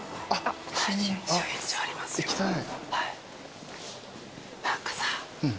行きたい。